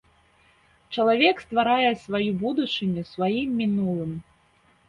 Чалавек стварае сваю будучыню сваім мінулым.